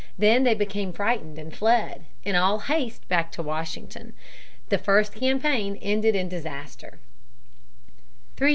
Then they became frightened and fled, in all haste, back to Washington. The first campaign ended in disaster. [Illustration: GENERAL MCCLELLAN.